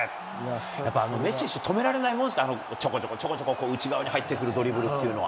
やっぱり、メッシ選手って止められないものですか、あの、ちょこちょこちょこちょこ内側に入ってくるドリブルっていうのは。